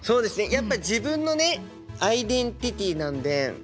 やっぱ自分のねアイデンティティーなんで。